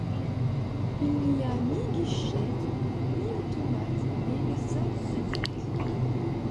Il n'y a ni guichet ni automate mais une salle d'attente.